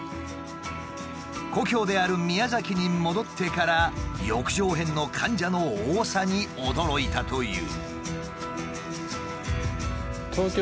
故郷である宮崎に戻ってから翼状片の患者の多さに驚いたという。